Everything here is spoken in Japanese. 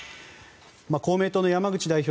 公明党の山口代表